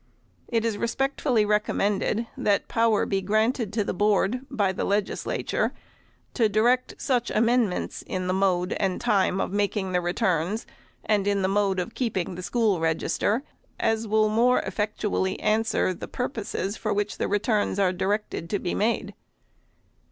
It is respectfully recommended, that power be granted to the Board, by the Legislature, to direct such amendments in the mode and time of making the returns, and in the mode of* keeping the school register, as will more effectually answer the pur poses for which the returns are directed to be made.